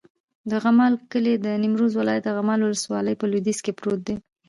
د غمال کلی د نیمروز ولایت، غمال ولسوالي په لویدیځ کې پروت دی.